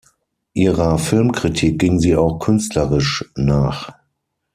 Ihrer Filmkritik ging sie auch künstlerisch nach.